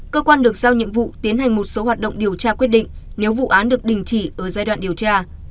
cơ quan được giao nhiệm vụ tiến hành một số hoạt động điều tra quyết định nếu vụ án được đình chỉ ở giai đoạn điều tra